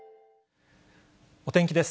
お天気です。